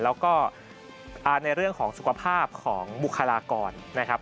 แล้วก็ในเรื่องของสุขภาพของบุคลากรนะครับ